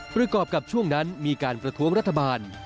ประกอบกับช่วงนั้นมีการประท้วงรัฐบาล